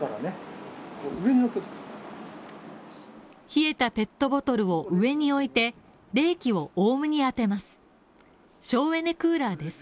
冷えたペットボトルを上に置いて冷気をオウムに当てます。